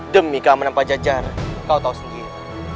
demi keamanan pajajar kau tahu sendiri